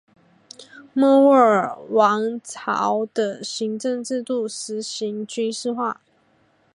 莫卧儿王朝的行政制度实行军事化。